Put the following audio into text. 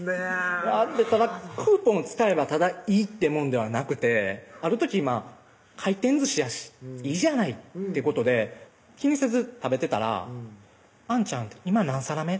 あぁただクーポンを使えばいいってもんではなくてある時回転寿司やしいいじゃないってことで気にせず食べてたら「あんちゃん今何皿目？」